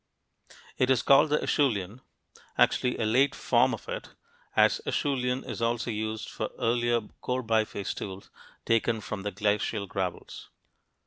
It is called the Acheulean, actually a late form of it, as "Acheulean" is also used for earlier core biface tools taken from the glacial gravels.